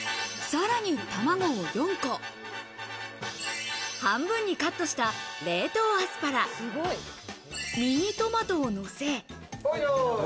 さらに卵を４個、半分にカットした冷凍アスパラ、ミニトマトをのせ。